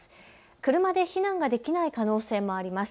車で避難ができない可能性もあります。